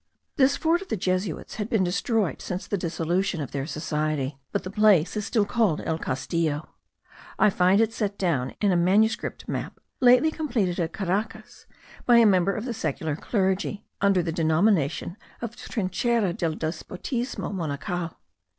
This fort of the Jesuits has been destroyed since the dissolution of their society; but the place is still called El Castillo. I find it set down, in a manuscript map, lately completed at Caracas by a member of the secular clergy, under the denomination of Trinchera del despotismo monacal.